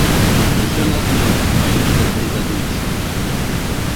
Усё на хлеб, калі што прыдабыць.